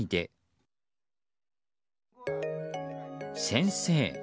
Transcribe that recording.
先生。